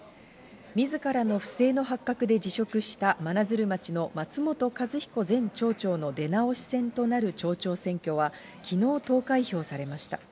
自らの不正の発覚で辞職した真鶴町の松本一彦前町長の出直し選となる町長選挙は昨日、投開票されました。